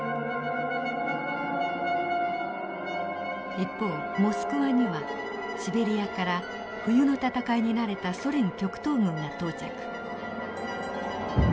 一方モスクワにはシベリアから冬の戦いに慣れたソ連極東軍が到着。